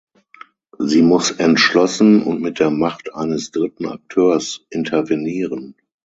Sie muss entschlossen und mit der Macht eines dritten Akteurs intervenieren.